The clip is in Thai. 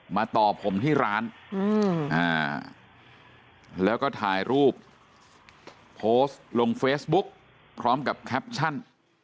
ต่อผมที่ร้านแล้วก็ถ่ายรูปโพสต์ลงเฟซบุ๊กพร้อมกับแคปชั่น